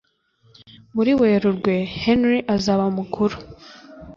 Muri Werurwe, Henry azaba mukuru.